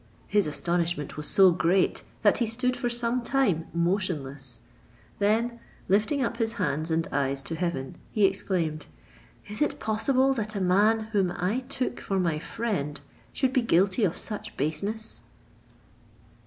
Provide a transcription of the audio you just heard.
His astonishment was so great, that he stood for some time motionless; then lifting up his hands and eyes to Heaven, he exclaimed, "Is it possible that a man, whom I took for my friend, should be guilty of such baseness?"